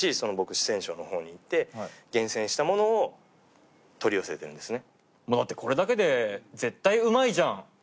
四川省のほうに行って厳選したものを取り寄せてるんですね。